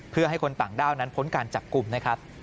เพื่อให้คนต่างด้าวนั้นพ้นการจับกลุ่มนะครับ